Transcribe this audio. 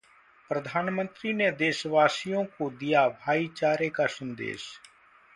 प्रधानमंत्री ने देशवासियों को दिया भाईचारे का संदेश